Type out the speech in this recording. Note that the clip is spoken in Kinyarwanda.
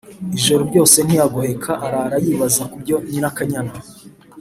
Ijoro ryose ntiyagoheka arara yibaza ku byo Nyirakanyana